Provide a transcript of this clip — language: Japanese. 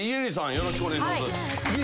よろしくお願いします。